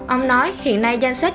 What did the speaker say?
ông nói hiện nay danh sách